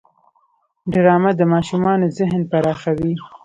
ډرامه د ماشومانو ذهن پراخوي